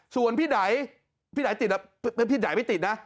ส่วนพี่ไดพี่ไหนติดพี่ไหนไม่ติดนะ